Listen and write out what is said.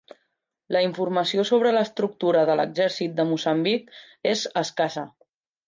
La informació sobre l'estructura de l'Exèrcit de Moçambic és escassa.